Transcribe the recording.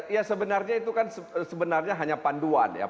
ya sebenarnya itu kan sebenarnya hanya panduan ya